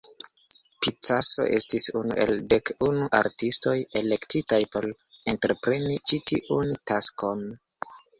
Picasso estis unu el dek unu artistoj elektitaj por entrepreni ĉi tiun taskon.